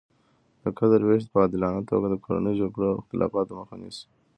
د قدرت ویش په عادلانه توګه د کورنیو جګړو او اختلافاتو مخه نیسي.